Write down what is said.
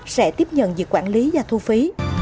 sẽ tiếp nhận việc quản lý và thu phí